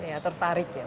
iya tertarik ya